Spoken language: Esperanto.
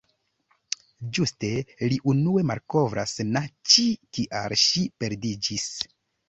Ĝuste li unue malkovras na Ĉi kial ŝi perdiĝis.